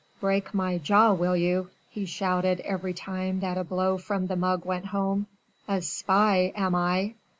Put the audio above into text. "Break my jaw, will you," he shouted every time that a blow from the mug went home, "a spy am I?